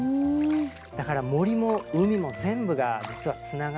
だから森も海も全部が実はつながってるんですね。